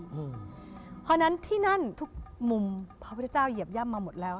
เพราะฉะนั้นที่นั่นทุกมุมพระพุทธเจ้าเหยียบย่ำมาหมดแล้ว